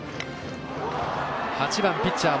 ８番ピッチャー